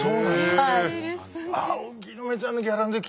はい。